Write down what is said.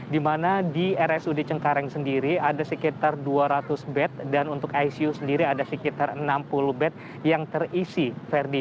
di mana di rsud cengkareng sendiri ada sekitar dua ratus bed dan untuk icu sendiri ada sekitar enam puluh bed yang terisi ferdi